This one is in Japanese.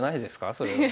それは。